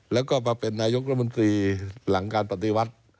แล้วก็มาเป็นนายกรัฐมนตรีหลังการปฏิวัติ